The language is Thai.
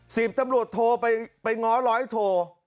สิบตำรวจโทรไปง้อร้อยโท